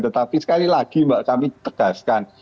tetapi sekali lagi mbak kami tegaskan